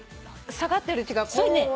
下がってる血がこうね。